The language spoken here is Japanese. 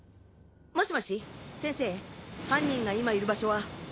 もしもし先生犯人が今いる場所は。